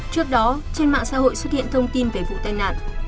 trước đó trên mạng xã hội xuất hiện thông tin về vụ tai nạn